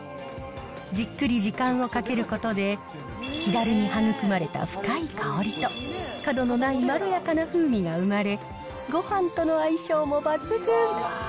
じっくり時間をかけることで、木だるに育まれた深い香りと、角のないまろやかな風味が生まれ、ごはんとの相性も抜群。